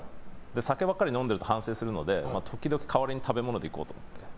酒ばかり飲んでいると反省するので時々代わりに食べ物でいこうと思って。